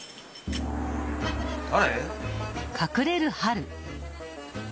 誰？